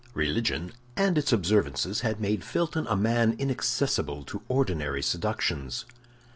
Religion and its observances had made Felton a man inaccessible to ordinary seductions.